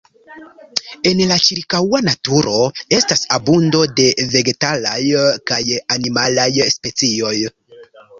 En la ĉirkaŭa naturo estas abundo de vegetalaj kaj animalaj specioj.